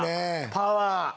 パワー。